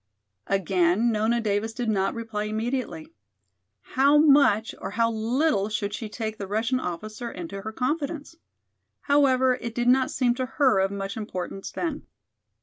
Again Nona Davis did not reply immediately. How much or how little should she take the Russian officer into her confidence? However, it did not seem to her of much importance then.